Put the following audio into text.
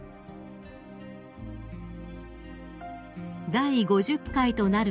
［第５０回となる